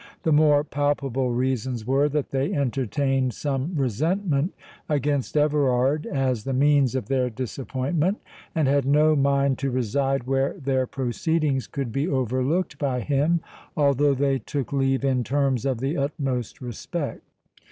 The more palpable reasons were, that they entertained some resentment against Everard, as the means of their disappointment, and had no mind to reside where their proceedings could be overlooked by him, although they took leave in terms of the utmost respect.